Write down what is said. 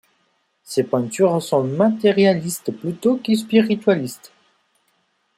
Ces peintures sont matérialistes plutôt que spiritualistes.